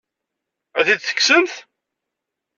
Ad t-id-tekksemt?